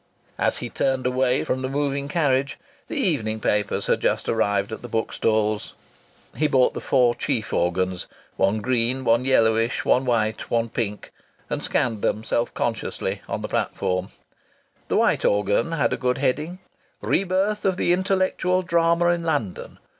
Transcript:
As he turned away from the moving carriage the evening papers had just arrived at the bookstalls. He bought the four chief organs one green, one yellowish, one white, one pink and scanned them self consciously on the platform. The white organ had a good heading: "Re birth of the intellectual drama in London.